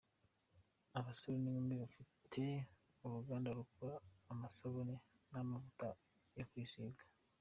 Abasore n’ inkumi bafite uruganda rukora amasbune n’ amavuta yo kwisiga.